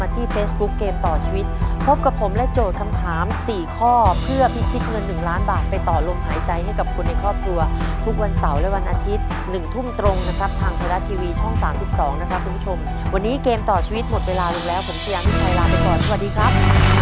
ทีวีช่อง๓๒นะครับคุณผู้ชมวันนี้เกมต่อชีวิตหมดเวลาอยู่แล้วผมขยังที่ไทยลาไปก่อนสวัสดีครับ